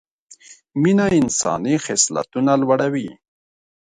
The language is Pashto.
مینه انساني خصلتونه لوړه وي